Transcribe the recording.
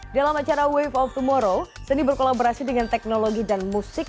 dalam acara wave of tomorrow seni berkolaborasi dengan teknologi dan musik